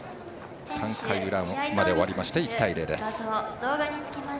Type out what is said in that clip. ３回裏まで終わりまして１対０です。